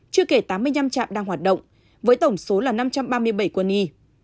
chưa kể tám mươi năm trạm đang hoạt động với tổng số là năm trăm ba mươi bảy quân y